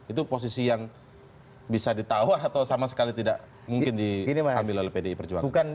itu posisi yang bisa ditawar atau sama sekali tidak mungkin diambil oleh pdi perjuangan